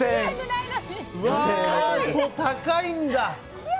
高いんだ！